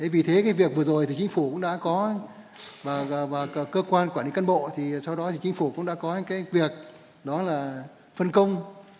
vì thế cái việc vừa rồi thì chính phủ cũng đã có cơ quan quản lý căn bộ thì sau đó thì chính phủ cũng đã có cái việc đó là phân công